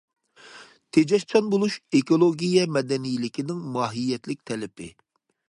تېجەشچان بولۇش ئېكولوگىيە مەدەنىيلىكىنىڭ ماھىيەتلىك تەلىپى.